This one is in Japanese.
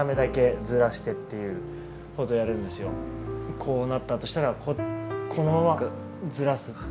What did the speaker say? こうなったとしたらこのままずらす。